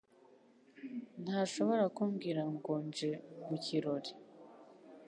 ntashobora kumbwira ngo nje mu kirori.